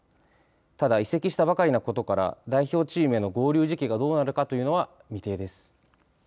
ただ、移籍したばかりなことから、代表チームへの合流時期がどうなるかというのは、未定です。